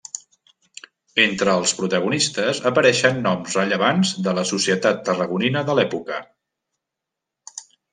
Entre els protagonistes apareixen noms rellevants de la societat tarragonina de l'època.